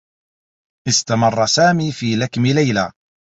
استمرّ سامي في لكم ليلى.